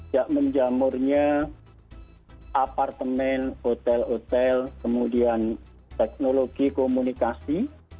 ya menjamurnya apartemen hotel hotel kemudian teknologi komunikasi